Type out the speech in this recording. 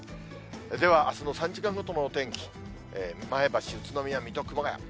ではあすの３時間ごとのお天気、前橋、宇都宮、水戸、熊谷。